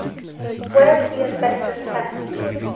Where is the Asbestus found?